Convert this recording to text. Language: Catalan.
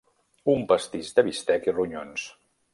Un pastís de bistec i ronyons.